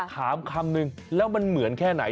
คำนึงแล้วมันเหมือนแค่ไหน